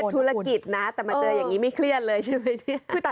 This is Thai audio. ธุรกิจนะแต่มาเจออย่างนี้ไม่เครียดเลยใช่ไหมเนี่ย